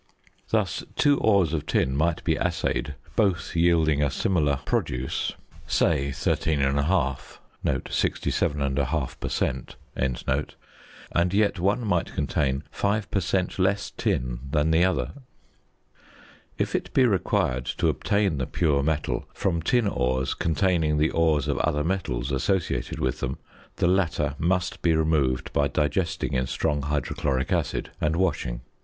Thus two ores of tin might be assayed both yielding a similar produce, say 13 1/2 (67 1/2 per cent.), and yet one might contain 5 per cent. less tin than the other. If it be required to obtain the pure metal from tin ores containing the ores of other metals associated with them, the latter must be removed by digesting in strong hydrochloric acid, and washing.